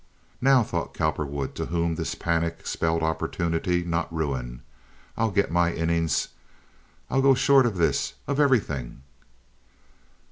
"Now," thought Cowperwood, to whom this panic spelled opportunity, not ruin, "I'll get my innings. I'll go short of this—of everything."